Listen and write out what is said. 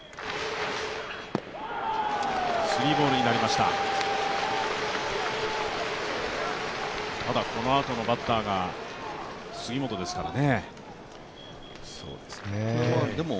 ただ、このあとのバッターが杉本ですからね。